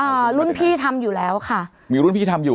รุ่นพี่ทำอยู่แล้วค่ะมีรุ่นพี่ทำอยู่